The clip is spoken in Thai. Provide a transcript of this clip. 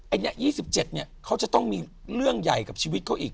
อันนี้๒๗เนี่ยเขาจะต้องมีเรื่องใหญ่กับชีวิตเขาอีก